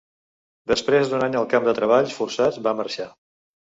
Després d'un any al camp de treballs forçats, va marxar.